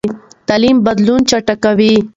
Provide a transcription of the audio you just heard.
تعلیم بدلون چټکوي.